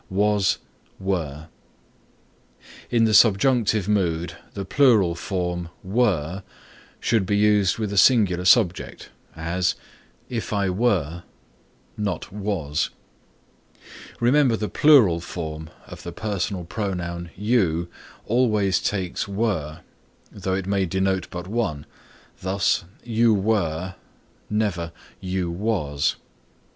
WAS WERE In the subjunctive mood the plural form were should be used with a singular subject; as, "If I were," not was. Remember the plural form of the personal pronoun you always takes were, though it may denote but one. Thus, "You were," never "you was."